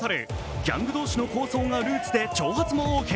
ギャング同士の抗争がルーツで挑発もオーケー。